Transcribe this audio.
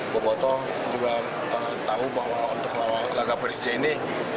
bobotoh juga tahu bahwa untuk lawan laga persija ini